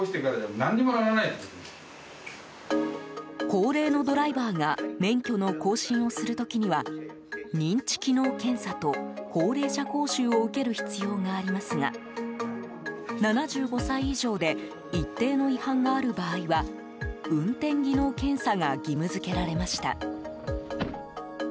高齢のドライバーが免許の更新をする時には認知機能検査と高齢者講習を受ける必要がありますが７５歳以上で一定の違反がある場合は運転技能検査が義務付けられました。